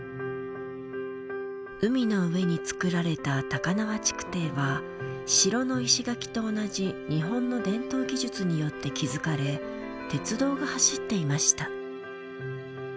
海の上に作られた高輪築堤は城の石垣と同じ日本の伝統技術によって築かれ鉄道が走っていました。